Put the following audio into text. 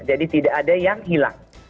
jadi tidak ada yang hilang